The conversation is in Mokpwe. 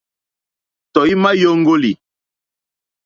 Tɔ̀ímá !yóŋɡólì.